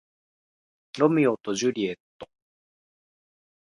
ロミオとジュリエット